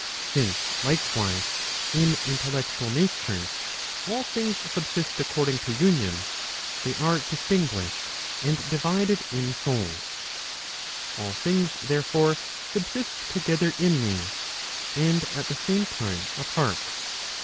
Since, likewise, in intellectual natures, all things subsist according to union, they are distinguished and divided in souls. All things, therefore, subsist together in these, and at Digitized by t^OOQLe 432 ELEMENTS PROP. CXCVUI. the same time apart.